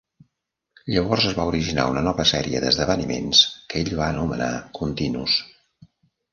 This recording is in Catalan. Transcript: Llavors es va originar una nova sèrie d'esdeveniments que ell va anomenar continus.